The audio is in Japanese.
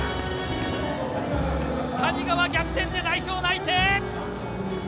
谷川逆転で代表内定！